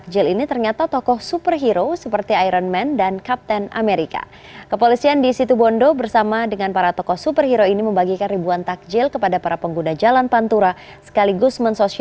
dan sosialisasikan keselamatan berlalu lintas